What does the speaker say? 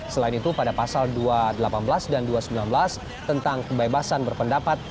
selain itu pada pasal dua ratus delapan belas dan dua ratus sembilan belas tentang kebebasan berpendapat